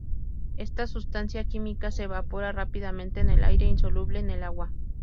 Esta sustancia química se evapora rápidamente en el aire, insoluble en el agua.